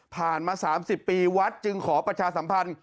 มา๓๐ปีวัดจึงขอประชาสัมพันธ์